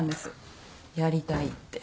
やりたいって。